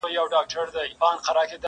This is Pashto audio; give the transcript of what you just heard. • چي دا ستا معاش نو ولي نه ډيريږي.